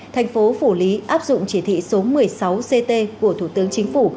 thành phố phủ lý áp dụng chỉ thị số một mươi sáu ct của thủ tướng chính phủ